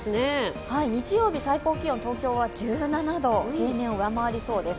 日曜日、東京は最高気温１７度、平年を上回りそうです。